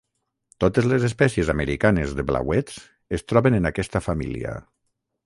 Totes les espècies americanes de blauets es troben en aquesta família.